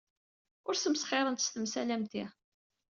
Ur smesxiremt s temsal am ti.